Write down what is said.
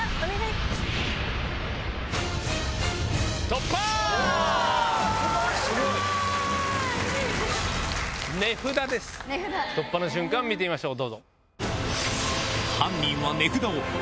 突破の瞬間見てみましょう。